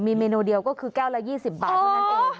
มีเมนูเดียวก็คือแก้วละ๒๐บาทเท่านั้นเอง